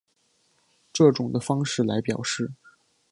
这种的方式来表示。